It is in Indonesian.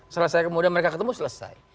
selesai kemudian mereka ketemu selesai